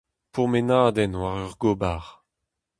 Pourmenadenn war ur gobar.